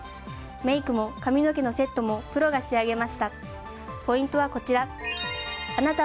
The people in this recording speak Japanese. メイクも髪の毛のセットもプロが仕上げました。